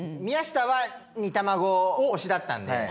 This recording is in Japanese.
宮下は煮卵推しだったんで。